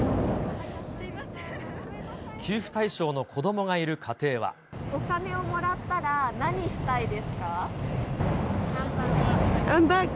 給付対象の子どもがいる家庭お金をもらったら、何したいハンバーグ。